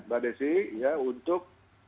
mbak desi untuk